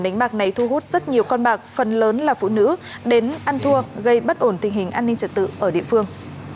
nhiều con bạc phần lớn là phụ nữ đến ăn thua gây bất ổn tình hình an ninh trật tự ở địa phương